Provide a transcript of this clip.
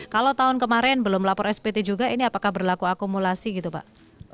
kalau tahun kemarin belum lapor spt juga ini apakah berlaku akumulasi gitu pak